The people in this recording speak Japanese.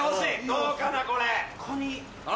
どうかなこれ。